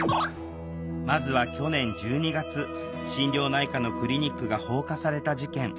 まずは去年１２月心療内科のクリニックが放火された事件。